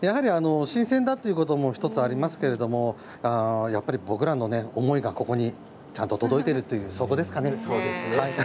新鮮だということも１つありますけれどもやはり僕らの思いがここにちゃんと届いているという、そこですかね。